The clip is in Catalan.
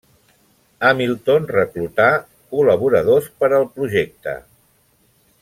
Hamilton reclutà col·laboradors per al projecte.